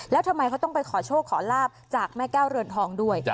แล้วทำไมเขาต้องไปขอโชคขอลาบจากแม่แก้วเรือนทองด้วย